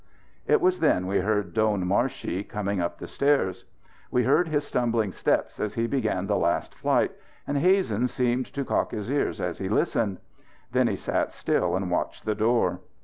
It was then we heard Doan Marshey coming up the stairs. We heard his stumbling steps as he began the last flight and Hazen seemed to cock his ears as he listened. Then he sat still and watched the door.